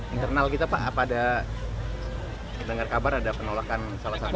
internal kita pak apa ada mendengar kabar ada penolakan salah satu